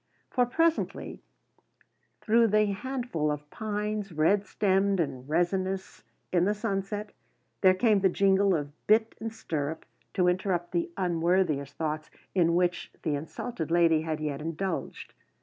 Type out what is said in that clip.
For presently through the handful of pines, red stemmed and resinous in the sunset, there came the jingle of bit and stirrup, to interrupt the unworthiest thoughts in which the insulted lady had yet indulged.